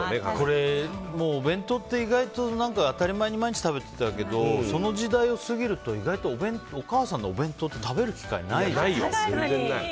お弁当って、意外と当たり前に毎日食べてたけどその時代を過ぎると意外とお母さんのお弁当って食べる機会ないよね。